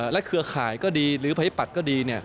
และเคลือข่ายก็ดีหรือพัฒนปัดก็ดี